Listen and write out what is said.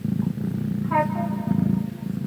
所属的相扑部屋是出羽海部屋。